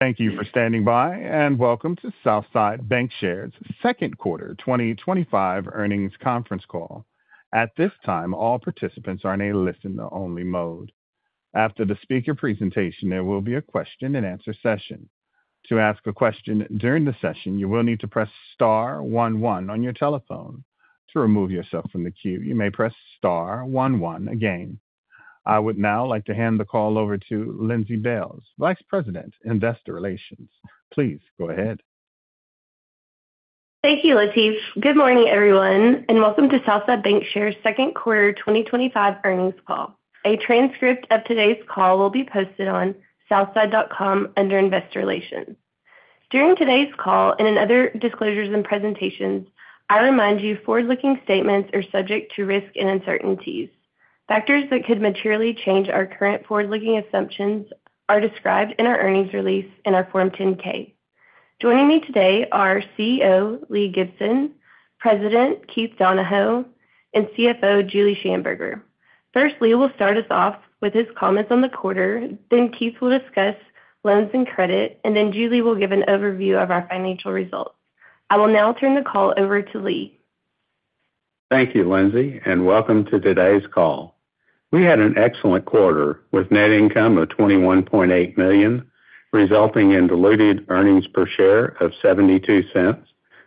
Thank you for standing by and welcome to Southside Bancshares Inc.'s second quarter 2025 earnings conference call. At this time, all participants are in a listen-only mode. After the speaker presentation, there will be a question and answer session. To ask a question during the session, you will need to press star one one on your telephone. To remove yourself from the queue, you may press star one one again. I would now like to hand the call over to Lindsey Bailes, Vice President of Investor Relations. Please go ahead. Thank you, Latif. Good morning, everyone, and welcome to Southside Bancshares Inc.'s second quarter 2025 earnings call. A transcript of today's call will be posted on southside.com under Investor Relations. During today's call and in other disclosures and presentations, I remind you forward-looking statements are subject to risk and uncertainties. Factors that could materially change our current forward-looking assumptions are described in our earnings release and our Form 10-K. Joining me today are CEO Lee Gibson, President Keith Donahoe, and CFO Julie Shamburger. First, Lee will start us off with his comments on the quarter, then Keith will discuss loans and credit, and then Julie will give an overview of our financial results. I will now turn the call over to Lee. Thank you, Lindsey, and welcome to today's call. We had an excellent quarter with net income of $21.8 million, resulting in diluted earnings per share of $0.72,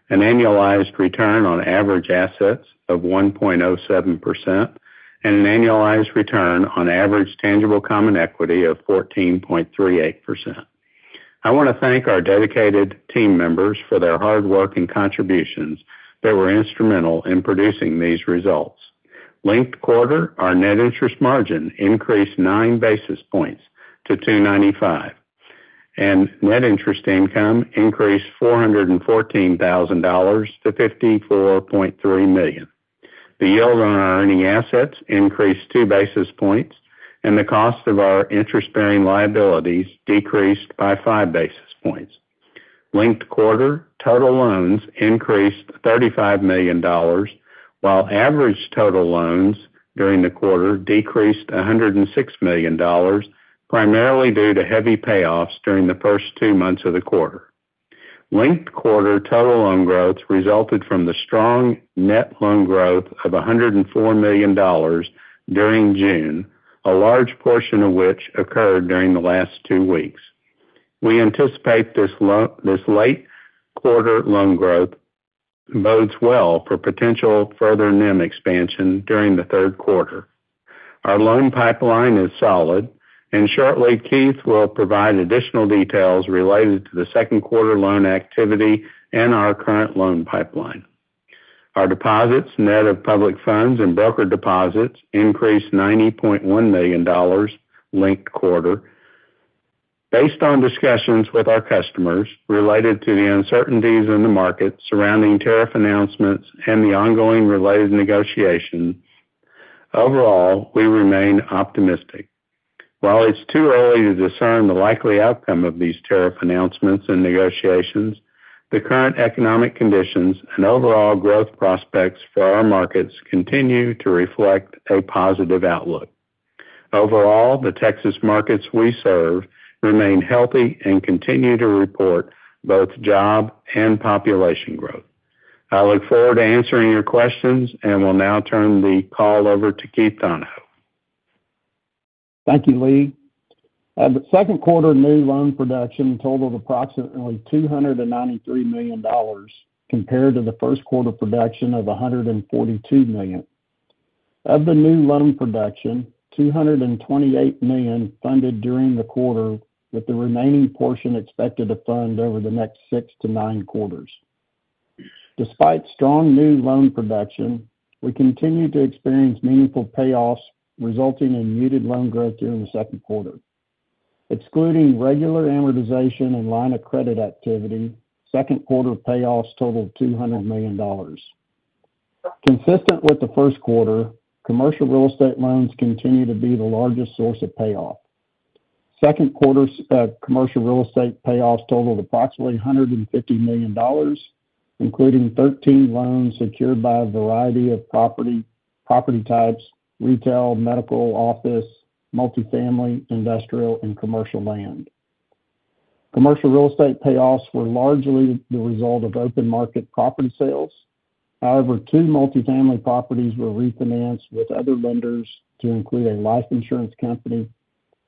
an annualized return on average assets of 1.07%, and an annualized return on average tangible common equity of 14.38%. I want to thank our dedicated team members for their hard work and contributions that were instrumental in producing these results. Linked quarter, our net interest margin increased nine basis points to 2.95%, and net interest income increased $414,000 to $54.3 million. The yield on our earning assets increased two basis points, and the cost of our interest-bearing liabilities decreased by five basis points. Linked quarter, total loans increased $35 million, while average total loans during the quarter decreased $106 million, primarily due to heavy payoffs during the first two months of the quarter. Linked quarter, total loan growth resulted from the strong net loan growth of $104 million during June, a large portion of which occurred during the last two weeks. We anticipate this late quarter loan growth bodes well for potential further NIM expansion during the third quarter. Our loan pipeline is solid, and shortly, Keith will provide additional details related to the second quarter loan activity and our current loan pipeline. Our deposits net of public funds and broker deposits increased $90.1 million linked quarter. Based on discussions with our customers related to the uncertainties in the market surrounding tariff announcements and the ongoing related negotiations, overall, we remain optimistic. While it's too early to discern the likely outcome of these tariff announcements and negotiations, the current economic conditions and overall growth prospects for our markets continue to reflect a positive outlook. Overall, the Texas markets we serve remain healthy and continue to report both job and population growth. I look forward to answering your questions and will now turn the call over to Keith Donahoe. Thank you, Lee. The second quarter new loan production totaled approximately $293 million compared to the first quarter production of $142 million. Of the new loan production, $228 million funded during the quarter, with the remaining portion expected to fund over the next six to nine quarters. Despite strong new loan production, we continue to experience meaningful payoffs, resulting in muted loan growth during the second quarter. Excluding regular amortization and line of credit activity, second quarter payoffs totaled $200 million. Consistent with the first quarter, commercial real estate loans continue to be the largest source of payoff. Second quarter's commercial real estate payoffs totaled approximately $150 million, including 13 loans secured by a variety of property types: retail, medical, office, multifamily, industrial, and commercial land. Commercial real estate payoffs were largely the result of open market property sales. However, two multifamily properties were refinanced with other lenders to include a life insurance company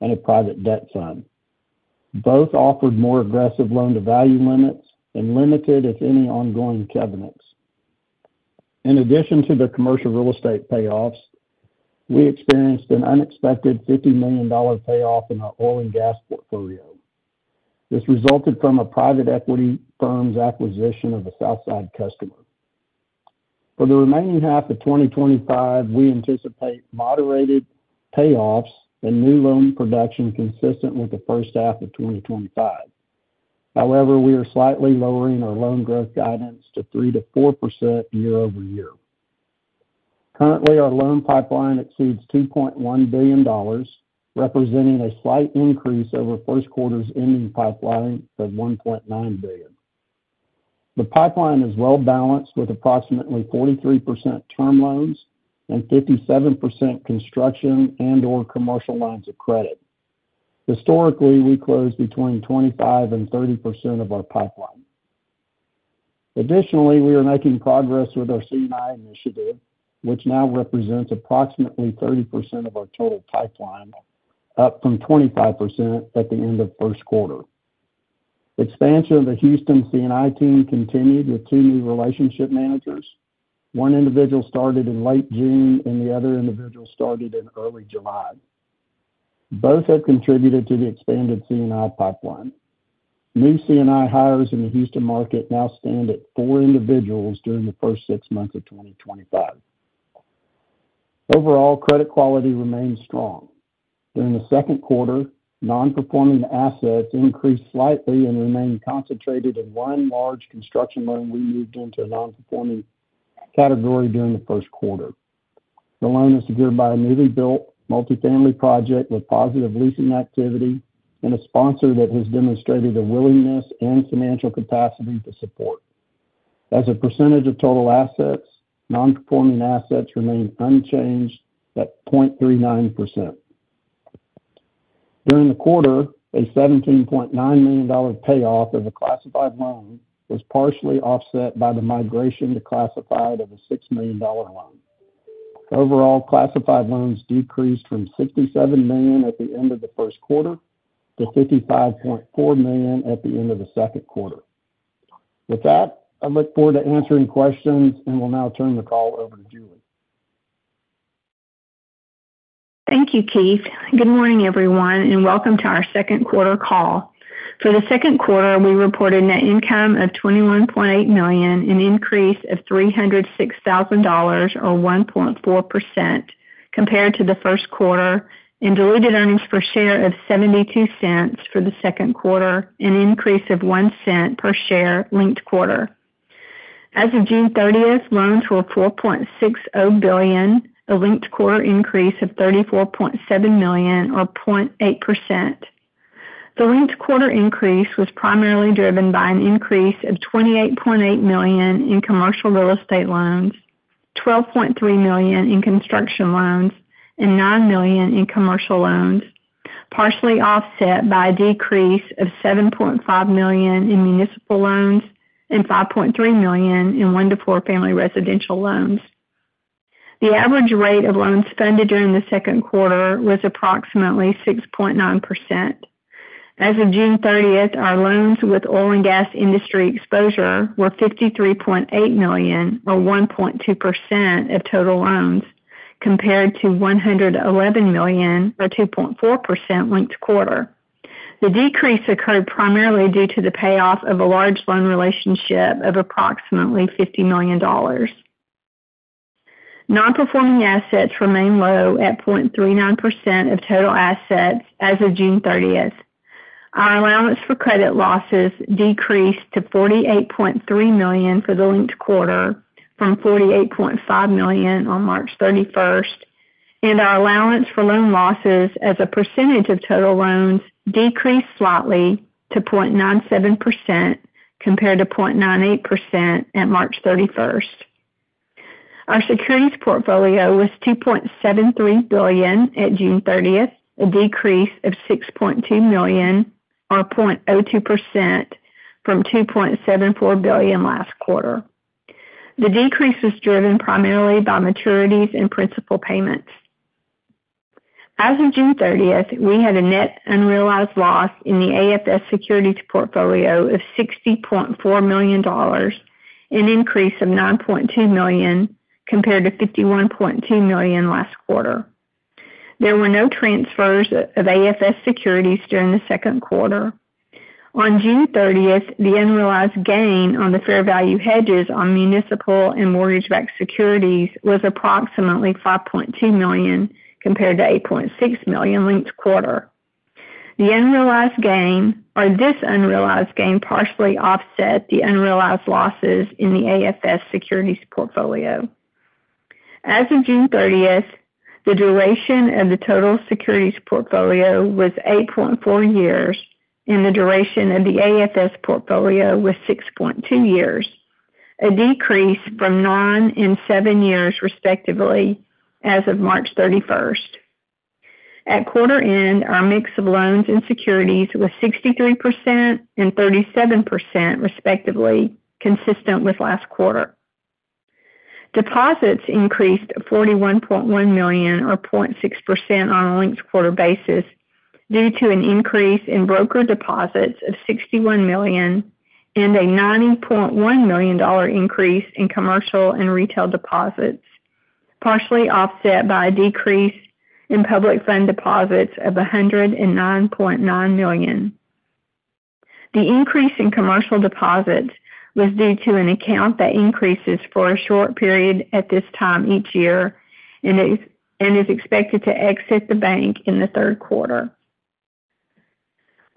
and a private debt fund. Both offered more aggressive loan-to-value limits and limited, if any, ongoing covenants. In addition to the commercial real estate payoffs, we experienced an unexpected $50 million payoff in our oil and gas portfolio. This resulted from a private equity firm's acquisition of a Southside customer. For the remaining half of 2025, we anticipate moderated payoffs and new loan production consistent with the first half of 2025. However, we are slightly lowering our loan growth guidance to 3% to 4% year-over-year. Currently, our loan pipeline exceeds $2.1 billion, representing a slight increase over first quarter's ending pipeline of $1.9 billion. The pipeline is well balanced with approximately 43% term loans and 57% construction and/or commercial lines of credit. Historically, we close between 25% and 30% of our pipeline. Additionally, we are making progress with our C&I initiative, which now represents approximately 30% of our total pipeline, up from 25% at the end of first quarter. Expansion of the Houston C&I team continued with two new relationship managers. One individual started in late June, and the other individual started in early July. Both have contributed to the expanded C&I pipeline. New C&I hires in the Houston market now stand at four individuals during the first six months of 2025. Overall, credit quality remains strong. During the second quarter, non-performing assets increased slightly and remained concentrated in one large construction loan we moved into a non-performing category during the first quarter. The loan is secured by a newly built multifamily project with positive leasing activity and a sponsor that has demonstrated a willingness and financial capacity to support. As a percentage of total assets, non-performing assets remain unchanged at 0.39%. During the quarter, a $17.9 million payoff of a classified loan was partially offset by the migration to classified of a $6 million loan. Overall, classified loans decreased from $67 million at the end of the first quarter to $55.4 million at the end of the second quarter. With that, I look forward to answering questions and will now turn the call over to Julie. Thank you, Keith. Good morning, everyone, and welcome to our second quarter call. For the second quarter, we reported net income of $21.8 million, an increase of $306,000 or 1.4% compared to the first quarter, and diluted earnings per share of $0.72 for the second quarter, an increase of $0.01 per share linked quarter. As of June 30th, loans were $4.60 billion, a linked quarter increase of $34.7 million or 0.8%. The linked quarter increase was primarily driven by an increase of $28.8 million in commercial real estate loans, $12.3 million in construction loans, and $9 million in commercial loans, partially offset by a decrease of $7.5 million in municipal loans and $5.3 million in one-to-four family residential loans. The average rate of loans funded during the second quarter was approximately 6.9%. As of June 30th, our loans with oil and gas industry exposure were $53.8 million or 1.2% of total loans compared to $111 million or 2.4% linked quarter. The decrease occurred primarily due to the payoff of a large loan relationship of approximately $50 million. Non-performing assets remain low at 0.39% of total assets as of June 30. Our allowance for credit losses decreased to $48.3 million for the linked quarter from $48.5 million on March 31, and our allowance for loan losses as a percentage of total loans decreased slightly to 0.97% compared to 0.98% at March 31. Our securities portfolio was $2.73 billion at June 30th, a decrease of $6.2 million or 0.02% from $2.74 billion last quarter. The decrease was driven primarily by maturities and principal payments. As of June 30th, we had a net unrealized loss in the available-for-sale (AFS) portfolio of $60.4 million, an increase of $9.2 million compared to $51.2 million last quarter. There were no transfers of AFS securities during the second quarter. On June 30th, the unrealized gain on the fair value hedges on municipal and mortgage-backed securities was approximately $5.2 million compared to $8.6 million linked quarter. This unrealized gain partially offset the unrealized losses in the AFS securities portfolio. As of June 30th, the duration of the total securities portfolio was 8.4 years, and the duration of the AFS portfolio was 6.2 years, a decrease from nine and seven years, respectively, as of March 31st. At quarter end, our mix of loans and securities was 63% and 37%, respectively, consistent with last quarter. Deposits increased $41.1 million or 0.6% on a linked quarter basis due to an increase in broker deposits of $61 million and a $90.1 million increase in commercial and retail deposits, partially offset by a decrease in public fund deposits of $109.9 million. The increase in commercial deposits was due to an account that increases for a short period at this time each year and is expected to exit the bank in the third quarter.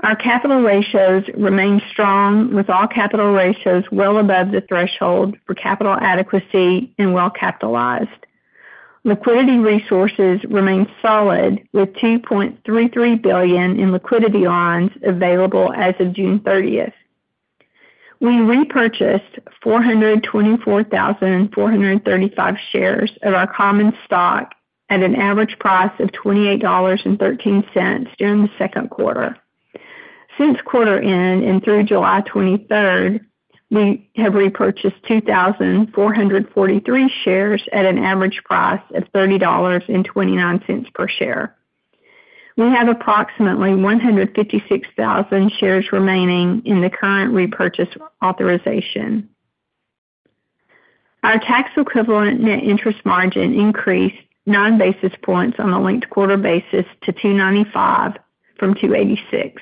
Our capital ratios remain strong, with all capital ratios well above the threshold for capital adequacy and well capitalized. Liquidity resources remain solid, with $2.33 billion in liquidity lines available as of June 30th. We repurchased 424,435 shares of our common stock at an average price of $28.13 during the second quarter. Since quarter end and through July 23rd, we have repurchased 2,443 shares at an average price of $30.29 per share. We have approximately 156,000 shares remaining in the current repurchase authorization. Our tax equivalent net interest margin increased nine basis points on a linked quarter basis to 2.95% from 2.86%.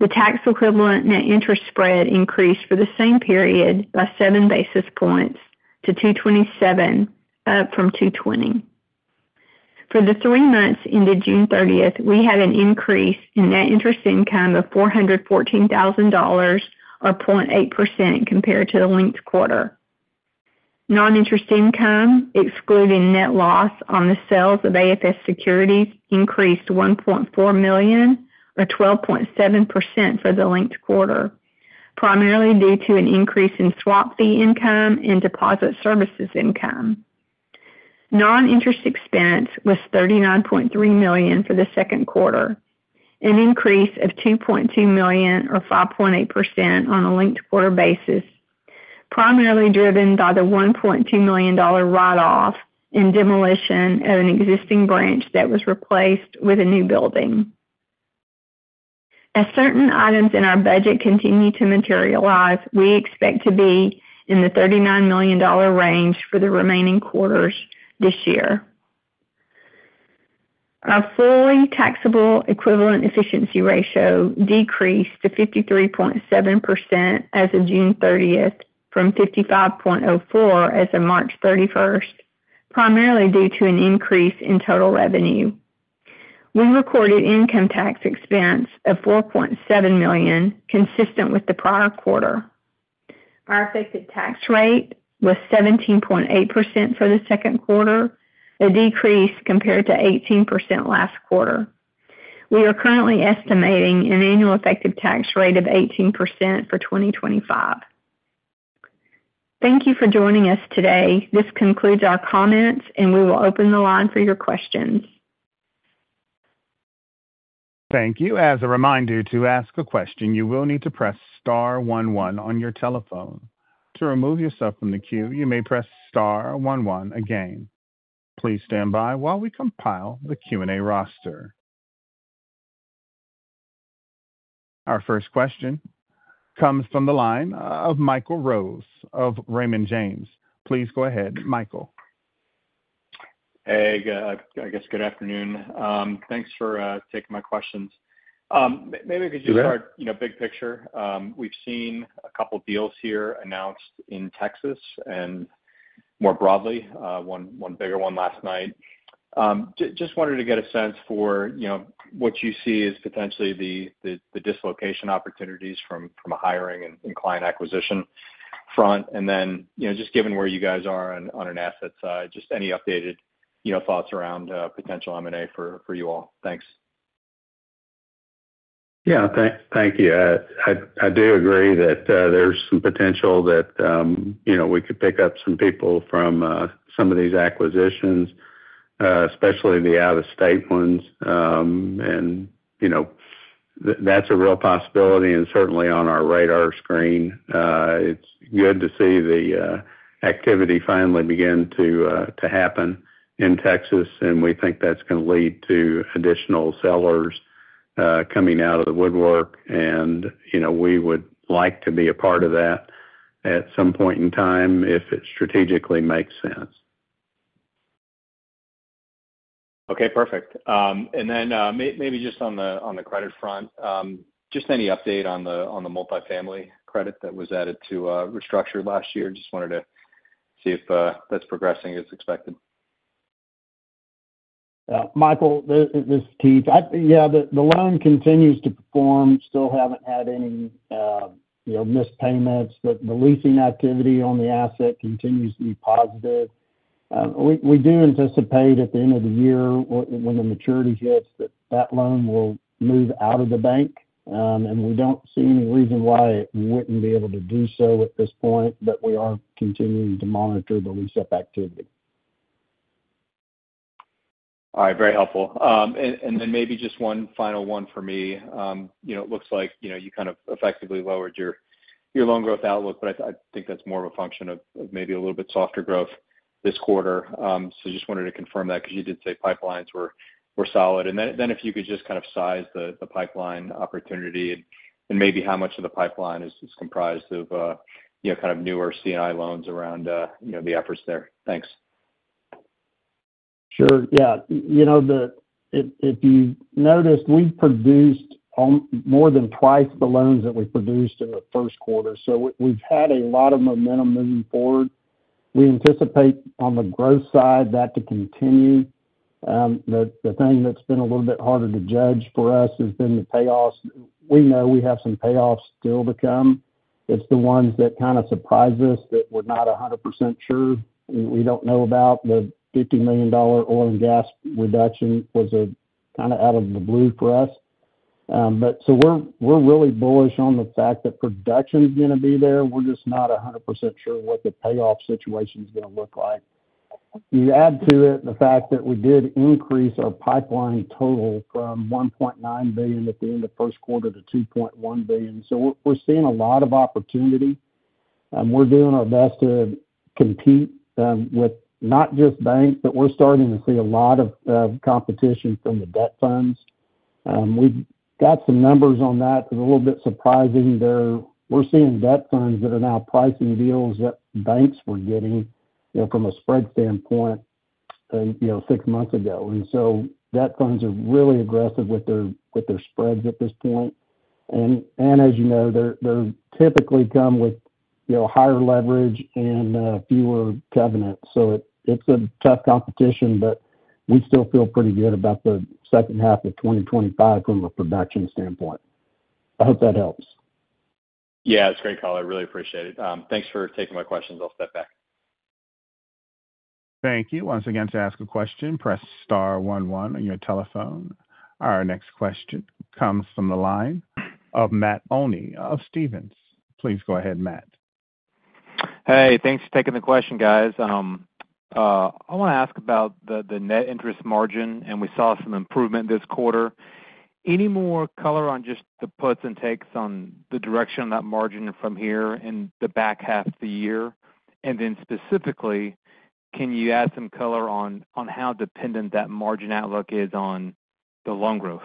The tax equivalent net interest spread increased for the same period by seven basis points to 2.27%, up from 2.20%. For the three months ended June 30th, we had an increase in net interest income of $414,000 or 0.8% compared to the linked quarter. Non-interest income, excluding net loss on the sales of available-for-sale (AFS) securities, increased $1.4 million, a 12.7% for the linked quarter, primarily due to an increase in swap fee income and deposit services income. Non-interest expense was $39.3 million for the second quarter, an increase of $2.2 million or 5.8% on a linked quarter basis, primarily driven by the $1.2 million write-off and demolition of an existing branch that was replaced with a new building. As certain items in our budget continue to materialize, we expect to be in the $39 million range for the remaining quarters this year. Our fully taxable equivalent efficiency ratio decreased to 53.7% as of June 30th from 55.04% as of March 31st, primarily due to an increase in total revenue. We recorded income tax expense of $4.7 million, consistent with the prior quarter. Our effective tax rate was 17.8% for the second quarter, a decrease compared to 18% last quarter. We are currently estimating an annual effective tax rate of 18% for 2025. Thank you for joining us today. This concludes our comments, and we will open the line for your questions. Thank you. As a reminder, to ask a question, you will need to press star one one on your telephone. To remove yourself from the queue, you may press star one one again. Please stand by while we compile the Q&A roster. Our first question comes from the line of Michael Rose of Raymond James. Please go ahead, Michael. Good afternoon. Thanks for taking my questions. Maybe I could just start, big picture. We've seen a couple deals announced in Texas and more broadly, one bigger one last night. I wanted to get a sense for what you see as potentially the dislocation opportunities from a hiring and client acquisition front. Just given where you guys are on an asset side, any updated thoughts around potential M&A for you all. Thanks. Thank you. I do agree that there's some potential that we could pick up some people from some of these acquisitions, especially the out-of-state ones. That's a real possibility and certainly on our radar screen. It's good to see the activity finally begin to happen in Texas, and we think that's going to lead to additional sellers coming out of the woodwork. We would like to be a part of that at some point in time if it strategically makes sense. Okay, perfect. Maybe just on the credit front, any update on the multifamily credit that was added to restructure last year? Just wanted to see if that's progressing as expected. Michael, this is Keith. Yeah, the loan continues to perform. Still haven't had any missed payments. The leasing activity on the asset continues to be positive. We do anticipate at the end of the year, when the maturity hits, that that loan will move out of the bank. We don't see any reason why it wouldn't be able to do so at this point, but we are continuing to monitor the lease-up activity. All right, very helpful. Maybe just one final one for me. It looks like you kind of effectively lowered your loan growth outlook, but I think that's more of a function of maybe a little bit softer growth this quarter. I just wanted to confirm that because you did say pipelines were solid. If you could just kind of size the pipeline opportunity and maybe how much of the pipeline is comprised of newer commercial and industrial (C&I) loans around the efforts there. Thanks. Sure. Yeah. You know, if you noticed, we've produced more than twice the loans that we produced in the first quarter. We've had a lot of momentum moving forward. We anticipate on the growth side that to continue. The thing that's been a little bit harder to judge for us has been the payoffs. We know we have some payoffs still to come. It's the ones that kind of surprise us that we're not 100% sure. We don't know about the $50 million oil and gas reduction, which was kind of out of the blue for us. We are really bullish on the fact that production is going to be there. We're just not 100% sure what the payoff situation is going to look like. You add to it the fact that we did increase our pipeline total from $1.9 billion at the end of the first quarter to $2.1 billion. We're seeing a lot of opportunity, and we're doing our best to compete with not just banks, but we're starting to see a lot of competition from the debt funds. We've got some numbers on that that are a little bit surprising there. We're seeing debt funds that are now pricing deals that banks were getting, you know, from a spread standpoint, six months ago. Debt funds are really aggressive with their spreads at this point, and as you know, they typically come with higher leverage and fewer covenants. It's a tough competition, but we still feel pretty good about the second half of 2025 from a production standpoint. I hope that helps. Yeah, it's a great call. I really appreciate it. Thanks for taking my questions. I'll step back. Thank you. Once again, to ask a question, press star one one on your telephone. Our next question comes from the line of Matt Olney of Stephens. Please go ahead, Matt. Hey, thanks for taking the question, guys. I want to ask about the net interest margin, and we saw some improvement this quarter. Any more color on just the puts and takes on the direction of that margin from here in the back half of the year? Specifically, can you add some color on how dependent that margin outlook is on the loan growth?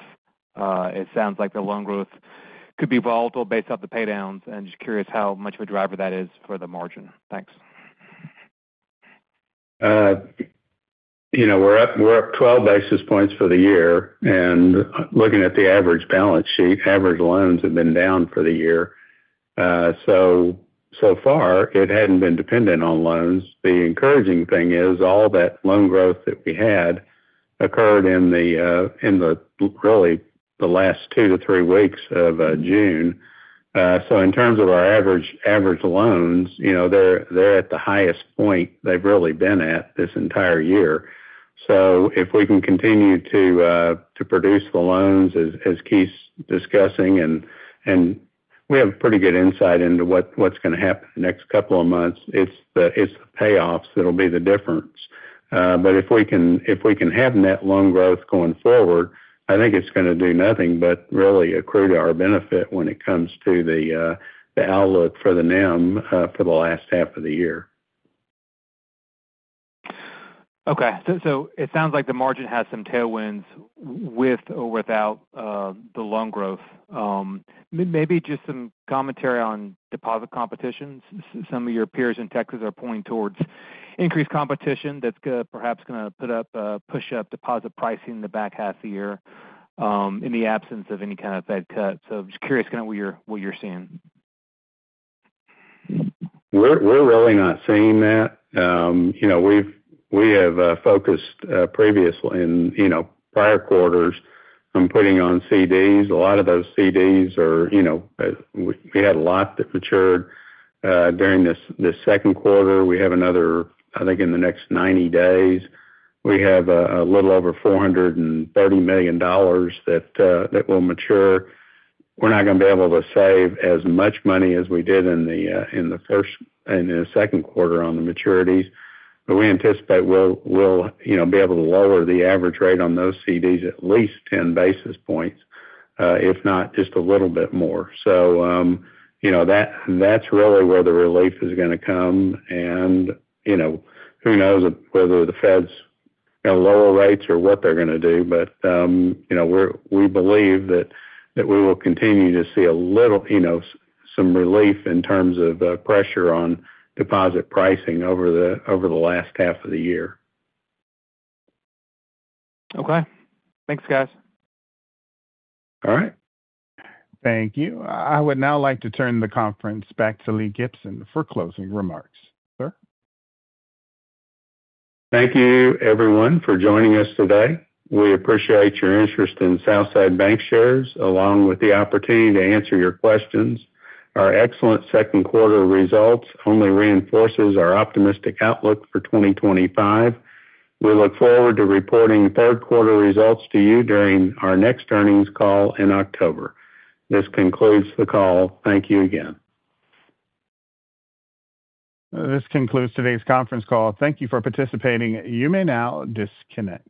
It sounds like the loan growth could be volatile based off the paydowns, and I'm just curious how much of a driver that is for the margin. Thanks. We're up 12 basis points for the year, and looking at the average balance sheet, average loans have been down for the year. So far, it hadn't been dependent on loans. The encouraging thing is all that loan growth that we had occurred in really the last two to three weeks of June. In terms of our average loans, they're at the highest point they've really been at this entire year. If we can continue to produce the loans, as Keith's discussing, and we have pretty good insight into what's going to happen in the next couple of months, it's the payoffs that will be the difference. If we can have net loan growth going forward, I think it's going to do nothing but really accrue to our benefit when it comes to the outlook for the NIM for the last half of the year. Okay. It sounds like the margin has some tailwinds with or without the loan growth. Maybe just some commentary on deposit competition. Some of your peers in Texas are pointing towards increased competition that's perhaps going to push up deposit pricing in the back half of the year in the absence of any kind of Fed cut. I'm just curious kind of what you're seeing. We're really not seeing that. We have focused previously in prior quarters on putting on CDs. A lot of those CDs are, we had a lot that matured during this second quarter. We have another, I think, in the next 90 days, we have a little over $430 million that will mature. We're not going to be able to save as much money as we did in the first and the second quarter on the maturities, but we anticipate we'll be able to lower the average rate on those CDs at least 10 basis points, if not just a little bit more. That's really where the relief is going to come. Who knows whether the Fed's going to lower rates or what they're going to do, but we believe that we will continue to see a little, some relief in terms of pressure on deposit pricing over the last half of the year. Okay, thanks, guys. All right. Thank you. I would now like to turn the conference back to Lee Gibson for closing remarks, sir. Thank you, everyone, for joining us today. We appreciate your interest in Southside Bancshares Inc., along with the opportunity to answer your questions. Our excellent second quarter results only reinforce our optimistic outlook for 2025. We look forward to reporting third quarter results to you during our next earnings call in October. This concludes the call. Thank you again. This concludes today's conference call. Thank you for participating. You may now disconnect.